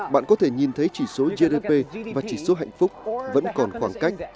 bạn có thể nhìn thấy chỉ số gdp và chỉ số hạnh phúc vẫn còn khoảng cách